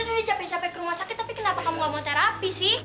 ini capek capek ke rumah sakit tapi kenapa kamu gak mau terapi sih